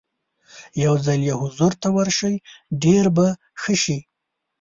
یو ځل یې حضور ته ورشئ ډېر به ښه شي.